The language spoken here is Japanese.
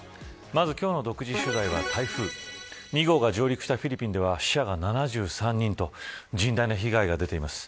今日の独自取材は台風２号が上陸したフィリピンでは死者が７３人と甚大な被害が出ています。